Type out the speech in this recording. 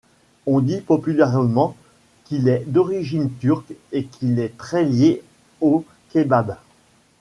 On dit populairement qu'il est d'origine turque et qu'il est très lié au kebab.